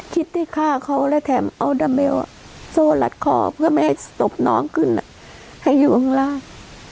คิดที่ฆ่าเขาและแถมเอาดาเบลโซ่หลัดคอเพื่อไม่ให้ศพน้องขึ้นให้อยู่ข้างล่าง